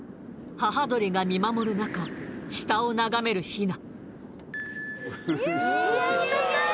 母鳥が見守る中下を眺めるヒナ